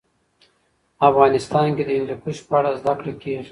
افغانستان کې د هندوکش په اړه زده کړه کېږي.